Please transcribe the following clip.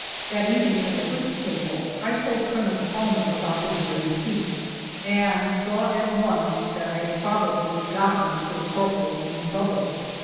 That evening at the whist table I told Colonel Palmer about the deer and Pete, and saw at once that I had probably gotten the poor corporal in trouble.